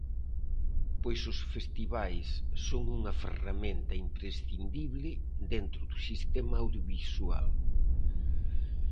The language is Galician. Pois os festivais son unha ferramenta imprescindible dentro do sistema audiovisual.